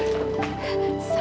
terima kasih ya